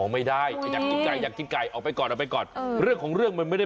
ไม่นี่ดูว่ามันเกาะขาเตาะเอาไว้